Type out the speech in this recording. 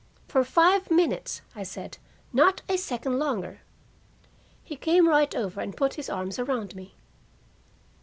For five minutes," I said. "Not a second longer." He came right over and put his arms around me.